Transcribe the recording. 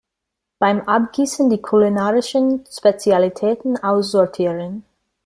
Beim Abgießen die kulinarischen Spezialitäten aussortieren.